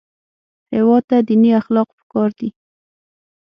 هېواد ته دیني اخلاق پکار دي